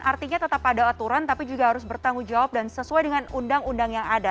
artinya tetap ada aturan tapi juga harus bertanggung jawab dan sesuai dengan undang undang yang ada